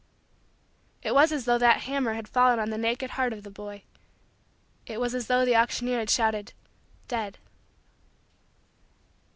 It was as though that hammer had fallen on the naked heart of the boy. It was as though the auctioneer had shouted: "Dead."